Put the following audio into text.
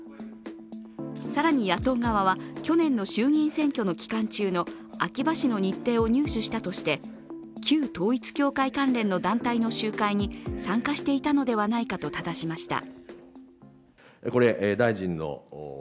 更に野党側は去年の衆議院選挙の期間中の秋葉氏の日程を入手したとして旧統一教会関連の団体の集会に参加していたのではないかとただしました。